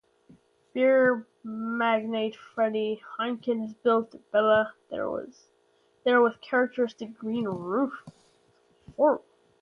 Beer magnate Freddy Heineken has built a villa there with the characteristic green roof.